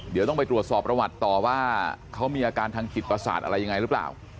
เดี๋ยวต้องไปตรวจสอบประวัติต่อว่าเขามีอาการทางจิตประสาทอะไรยังไงหรือเปล่า